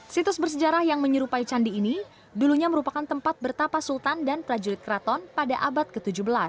situs bersejarah yang menyerupai candi ini dulunya merupakan tempat bertapa sultan dan prajurit keraton pada abad ke tujuh belas